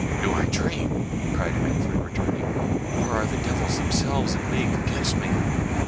"Do I dream?" cried Manfred, returning; "or are the devils themselves in league against me?